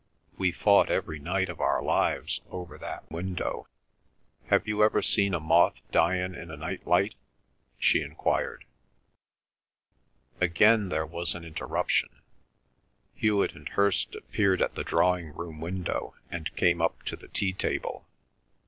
We fought every night of our lives over that window. Have you ever seen a moth dyin' in a night light?" she enquired. Again there was an interruption. Hewet and Hirst appeared at the drawing room window and came up to the tea table.